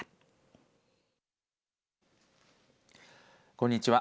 こんにちは。